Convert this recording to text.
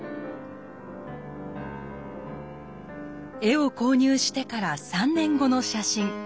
絵を購入してから３年後の写真。